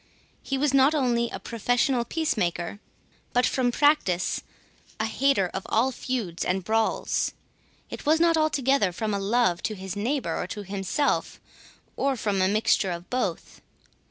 He was not only a professional peacemaker, but from practice a hater of all feuds and brawls. It was not altogether from a love to his neighbour, or to himself, or from a mixture of both.